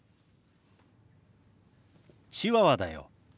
チワワだよ。